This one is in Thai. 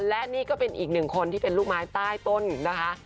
และนี่ก็เป็นอีกหนึ่งคนที่เป็นลูกไม้ใต้ต้นนะคะ